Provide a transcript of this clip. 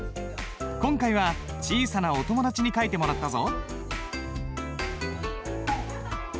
今回は小さなお友達に書いてもらったぞ。